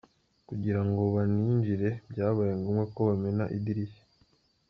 Kugira ngo baninjire byabaye ngombwa ko bamena idirishya.